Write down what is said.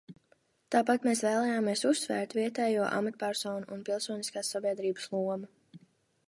Tāpat mēs vēlējāmies uzsvērt vietējo amatpersonu un pilsoniskās sabiedrības lomu.